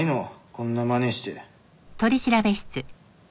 こんな真似して。